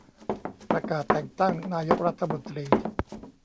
ประกาศแต่งตั้งนายกรัฐมนตรี